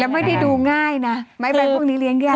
ไม่ได้ดูง่ายนะไม้ใบพวกนี้เลี้ยงยาก